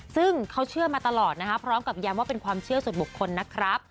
ซึ่งเขาเชื่อมาตลอดนะครับพร้อมกับย้ำว่าเป็นความเชื่อส่วนบุคคลนะครับ